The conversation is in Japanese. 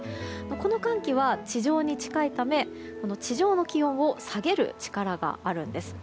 この寒気は地上に近いため地上の気温を下げる力があるんです。